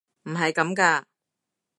唔係咁㗎！